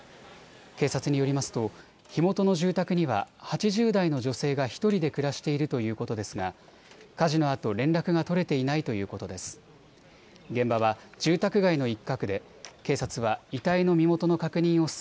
警察によりますと火元の住宅には８０代の女性が１人で暮らしているということですが火事のあと連絡が取れていないということです。